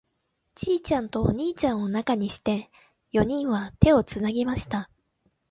ちいちゃんとお兄ちゃんを中にして、四人は手をつなぎました。